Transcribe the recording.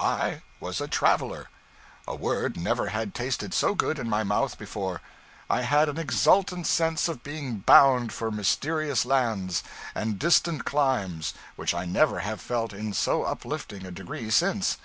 I was a traveler! A word never had tasted so good in my mouth before. I had an exultant sense of being bound for mysterious lands and distant climes which I never have felt in so uplifting a degree since.